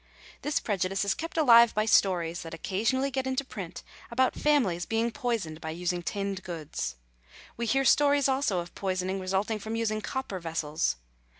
This prejudice is kept alive by stories that occasionally get into print about families being poisoned by using tinned goods. We hear stories also of poisoning resulting from using copper vessels.